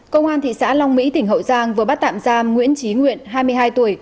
công an thị xã long mỹ tỉnh hậu giang vừa bắt tạm giam nguyễn trí nguyện hai mươi hai tuổi